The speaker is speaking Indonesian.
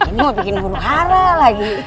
ini mau bikin bunuh hara lagi